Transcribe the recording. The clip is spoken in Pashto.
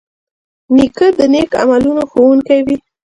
نیکه د نیک عملونو ښوونکی وي.